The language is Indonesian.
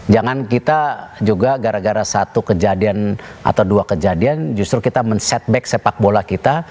jangan kita juga gara gara satu kejadian atau dua kejadian justru kita men setback sepak bola kita